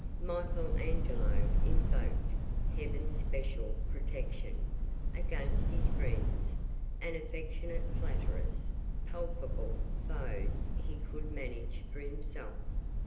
(Michel Angelo invoked heaven's special protection against his friends and affectionate flatterers; palpable foes he could manage for himself.)